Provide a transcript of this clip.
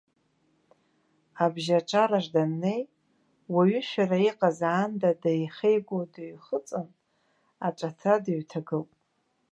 Абжьаҿараҿ даннеи, уаҩышәара иҟаз аанда деихеигәо дыҩхыҵын, аҵәаҭра дыҩҭагылт.